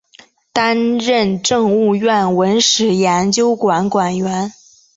担任政务院文史研究馆馆员。